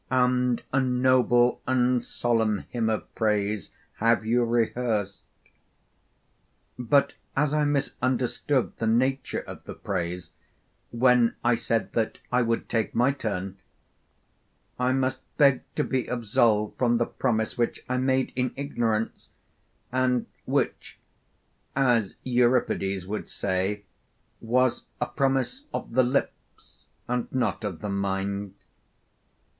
And a noble and solemn hymn of praise have you rehearsed. But as I misunderstood the nature of the praise when I said that I would take my turn, I must beg to be absolved from the promise which I made in ignorance, and which (as Euripides would say (Eurip. Hyppolytus)) was a promise of the lips and not of the mind.